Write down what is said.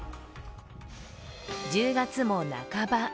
１０月も半ば。